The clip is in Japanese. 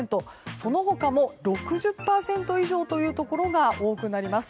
その他も６０％以上というところが多くなります。